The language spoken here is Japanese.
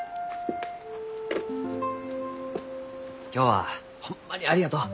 今日はホンマにありがとう。